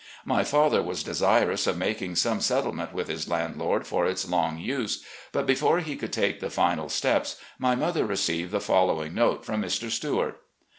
My father was desirous of making some settlement with his landlord for its long use, but before he could take the final steps my mother received the following note from Mr. Stewart